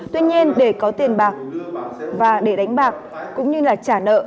tuy nhiên để có tiền bạc và để đánh bạc cũng như là trả nợ